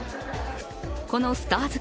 このスターズ